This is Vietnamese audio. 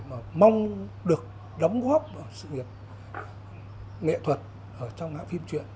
mong được đóng góp sự nghiệp nghệ thuật trong hãng phim truyện